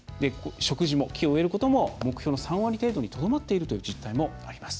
植樹も、木を植えることも目標の３割程度にとどまっているという実態もあります。